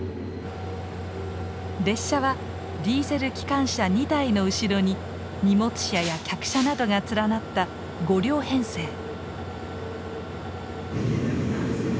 列車はディーゼル機関車２台の後ろに荷物車や客車などが連なった５両編成。